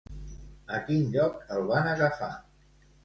A quin lloc el van agafar?